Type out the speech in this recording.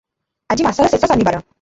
ଆଜି ମାସର ଶେଷ ଶନିବାର ।